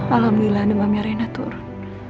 alhamdulillah demamnya rina turun